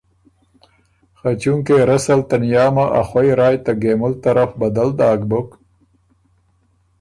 خه چونکې رسل تنیامه ا خوئ رایٛ ته ګېمُل طرف بدل داک بُک